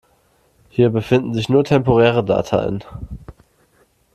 Hier befinden sich nur temporäre Dateien.